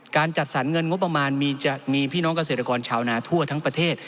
จัดสรรเงินงบประมาณจะมีพี่น้องเกษตรกรชาวนาทั่วทั้งประเทศ